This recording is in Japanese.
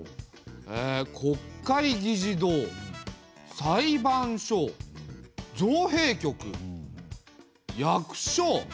へえ国会議事堂裁判所造幣局役所